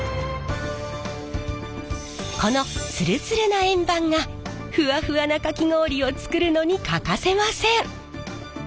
このツルツルな円盤がふわふわなかき氷を作るのに欠かせません。